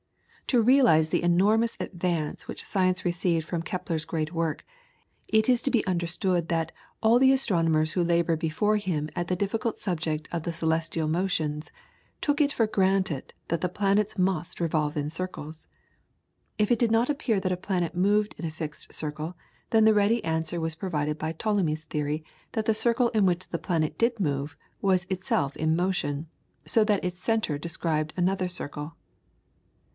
To realise the tremendous advance which science received from Kepler's great work, it is to be understood that all the astronomers who laboured before him at the difficult subject of the celestial motions, took it for granted that the planets must revolve in circles. If it did not appear that a planet moved in a fixed circle, then the ready answer was provided by Ptolemy's theory that the circle in which the planet did move was itself in motion, so that its centre described another circle.